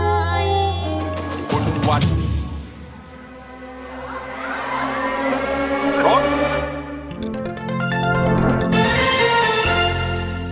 โอ้โหโอ้โหโอ้โห